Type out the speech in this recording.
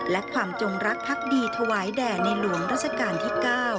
และความจงรักพักดีถวายแด่ในหลวงราชการที่๙